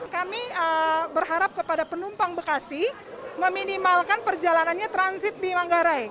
kami berharap kepada penumpang bekasi meminimalkan perjalanannya transit di manggarai